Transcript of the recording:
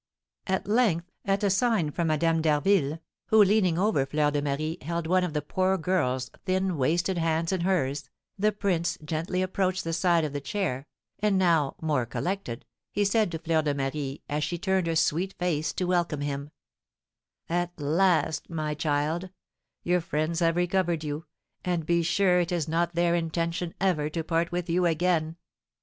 At length, at a sign from Madame d'Harville, who, leaning over Fleur de Marie, held one of the poor girl's thin, wasted hands in hers, the prince gently approached the side of the chair, and now, more collected, he said to Fleur de Marie, as she turned her sweet face to welcome him: "At last, my child, your friends have recovered you, and be sure it is not their intention ever to part with you again.